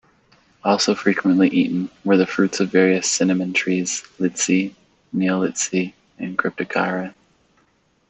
Also frequently eaten were the fruits of various cinnamon trees, "Litsea", "Neolitsea" and "Cryptocarya".